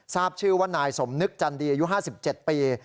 ทราบชื่อว่านายสมนึกจันดีอายุ๕๗ปี